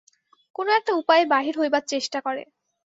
কোনো একটা উপায়ে বাহির হইবার চেষ্টা করে।